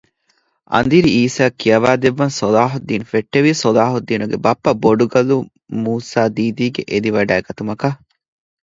އަނދިރި އީސައަށް ކިޔަވައިދެއްވަން ޞަލާޙުއްދީނު ފެއްޓެވީ ޞަލާހުއްދީނުގެ ބައްޕަ ބޮޑުގަލު މޫސާ ދީދީގެ އެދިވަޑައިގަތުމަކަށް